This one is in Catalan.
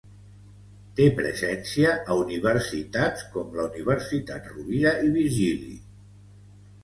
Té presència a universitats com la Universitat Rovira i Virgili.